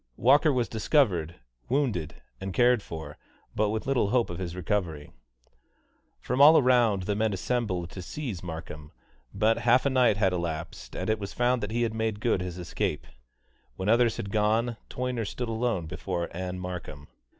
Walker was discovered wounded, and cared for, but with little hope of his recovery. From all around the men assembled to seize Markham, but half a night had elapsed, and it was found that he had made good his escape. When the others had gone, Toyner stood alone before Ann Markham.